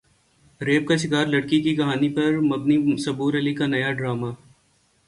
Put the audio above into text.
rape کا شکار لڑکی کی کہانی پر مبنی صبور علی کا نیا ڈراما